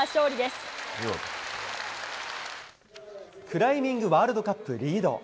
クライミングワールドカップリード。